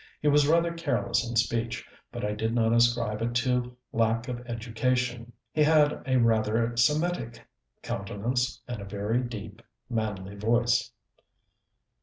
He was rather careless in speech, but I did not ascribe it to lack of education. He had rather a Semitic countenance, and a very deep, manly voice.